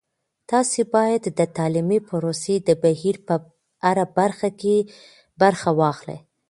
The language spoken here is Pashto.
تاسې باید د تعلیمي پروسې د بهیر په هره برخه کې برخه واخلئ.